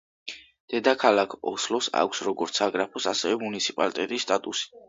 დედაქალაქ ოსლოს აქვს როგორც საგრაფოს ასევე მუნიციპალიტეტის სტატუსი.